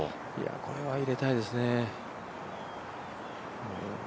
これは入れたいですね。